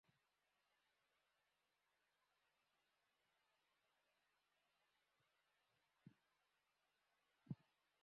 বেশ কিছুদিন ধরে রুহুল আমিন আসল টাকার জন্য নয়নকে চাপ দিচ্ছিলেন।